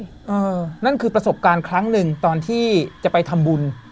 นั่นคือประสบการณ์ครั้งหนึ่งตอนที่จะไปทำบุญ